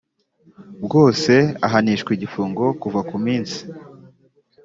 bwose ahanishwa igifungo kuva ku minsi